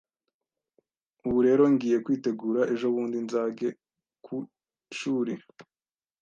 Ubu rero ngiye kwitegura ejobundi nzage ku ishuri